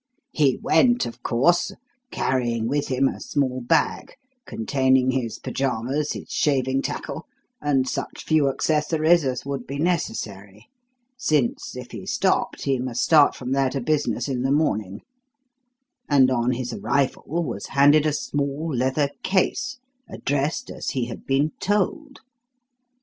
"He went, of course, carrying with him a small bag containing his pyjamas, his shaving tackle, and such few accessories as would be necessary, since, if he stopped, he must start from there to business in the morning; and on his arrival was handed a small leather case addressed as he had been told.